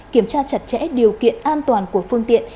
kiểm tra chặt chẽ điều kiện an toàn của phương tiện